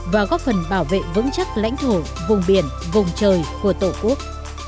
và góp phần bảo vệ vững chắc lãnh thổ vùng biển vùng trời của tổ quốc